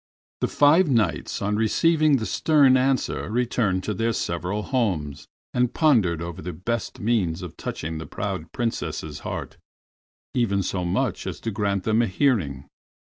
The five Knights on receiving this stern answer returned to their several homes, and pondered over the best means of touching the proud Princess's heart, even so much as to grant them a hearing.